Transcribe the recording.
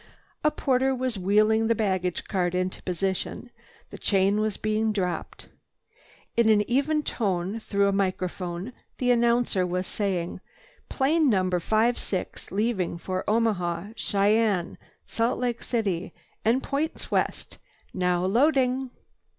A porter was wheeling the baggage cart into position, the chain was being dropped. In an even tone through a microphone the announcer was saying, "Plane No. 56 leaving for Omaha, Cheyenne, Salt Lake City and points west, now loading."